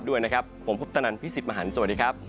โอ้โฮ